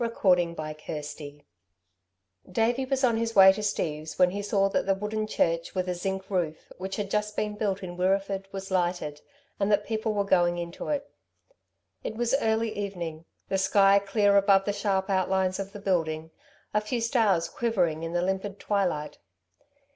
CHAPTER XXXIV Davey was on his way to Steve's when he saw that the wooden church with a zinc roof, which had just been built in Wirreeford, was lighted, and that people were going into it. It was early evening, the sky clear above the sharp outlines of the building, a few stars quivering in the limpid twilight.